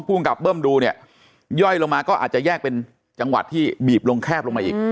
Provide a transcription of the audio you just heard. ภูมิกับเบิ้มดูเนี่ยย่อยลงมาก็อาจจะแยกเป็นจังหวัดที่บีบลงแคบลงมาอีก